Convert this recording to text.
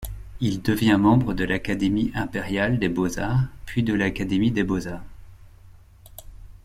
Il devient membre de l'Académie Impériale des Beaux-Arts, puis de l'Académie des Beaux-Arts.